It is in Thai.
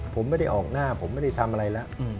ผมไม่ได้ออกหน้าผมไม่ได้ทำอะไรแล้ว